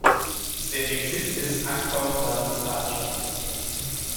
Sed ekzistis ankaŭ malavantaĝoj.